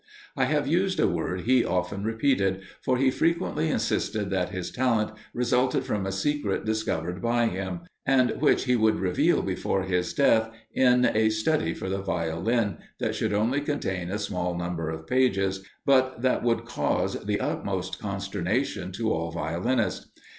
I have used a word he often repeated for he frequently insisted that his talent resulted from a secret discovered by him and which he would reveal before his death, in a "study for the Violin," that should only contain a small number of pages, but that should cause the utmost consternation to all violinists.